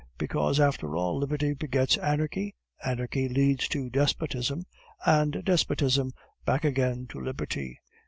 Because, after all, liberty begets anarchy, anarchy leads to despotism, and despotism back again to liberty.